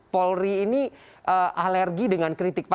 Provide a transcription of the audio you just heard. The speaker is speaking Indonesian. polri ini alergi dengan kritik pak